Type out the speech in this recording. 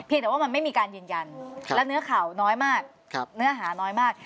แต่ว่ามันไม่มีการยืนยันและเนื้อข่าวน้อยมากเนื้อหาน้อยมาก